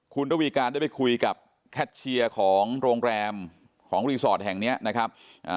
คุณระวีการได้ไปคุยกับแคทเชียร์ของโรงแรมของรีสอร์ทแห่งเนี้ยนะครับ